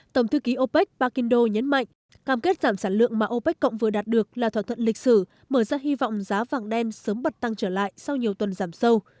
tổng thư ký opec pakingdo nhấn mạnh cam kết giảm sản lượng mà opec cộng vừa đạt được là thỏa thuận lịch sử mở ra hy vọng giá vàng đen sớm bật tăng trở lại sau nhiều tuần giảm sâu